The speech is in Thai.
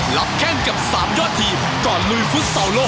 หลับแค้นกับ๓ยอดทีมก่อนลุยฟุตเซาโล